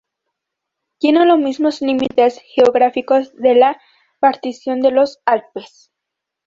Tiene los mismos límites geográficos de la Partición de los Alpes.